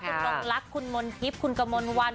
คุณนงลักษณ์คุณมนทิพย์คุณกมลวัน